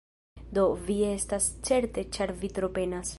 Do, vi estas certe ĉar vi tro penas